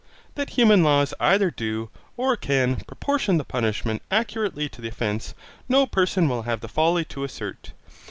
That human laws either do, or can, proportion the punishment accurately to the offence, no person will have the folly to assert.